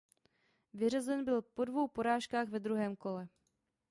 Vyřazen byl po dvou porážkách ve druhém kole.